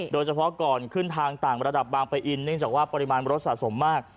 โดยเฉพาะก่อนขึ้นทางต่างระดับบางปะอินเนื่องจากว่าปริมาณรถสะสมมาก